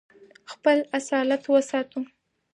خپل اصالت وساتو.